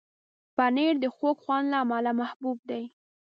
پنېر د خوږ خوند له امله محبوب دی.